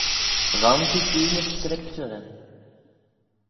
Ronsee-jee ny Scriptyryn